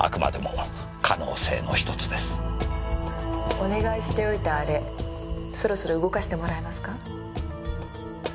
お願いしておいたあれそろそろ動かしてもらえますか。